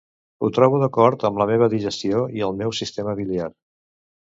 Ho trobo d'acord amb la meva digestió i el meu sistema biliar.